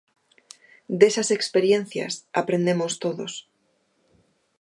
Desas experiencias aprendemos todos.